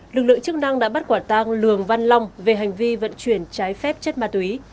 lực lượng chức năng đã bắt quả tang lường văn long về hành vi vận chuyển trái phép chất ma túy